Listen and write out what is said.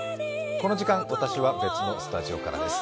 この時間、私は別のスタジオからです。